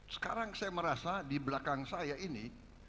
sekarang saya merasa di belakang saya ini